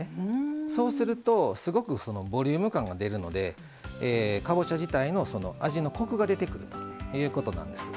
そうするとすごくボリューム感が出るのでかぼちゃ自体の味のコクが出てくるということなんです。